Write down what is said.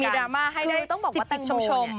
มีดราม่าให้ได้จิบชม